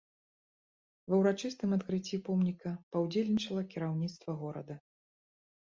Ва ўрачыстым адкрыцці помніка паўдзельнічала кіраўніцтва горада.